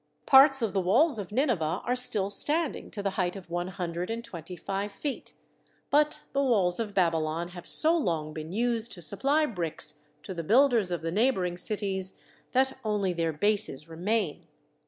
Parts of the walls of Nineveh are still standing to the height of one hundred and twenty five feet, but the walls of Babylon have so long been used to supply bricks to the builders of the neighbour ing cities that only their bases remain.